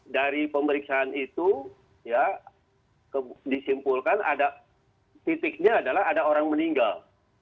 dari pemeriksaan itu disimpulkan ada titiknya adalah ada orang meninggal